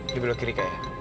di belok kiri kak ya